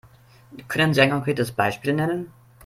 Können Sie ein konkretes Beispiel nennen?